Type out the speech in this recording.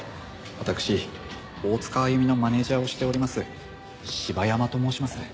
私大塚あゆみのマネジャーをしております柴山と申します。